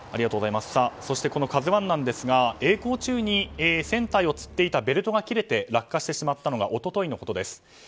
この「ＫＡＺＵ１」ですが曳航中に船体をつっていたベルトが切れて落下してしまったのが一昨日のことです。